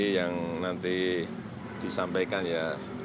yang nanti disampaikan ya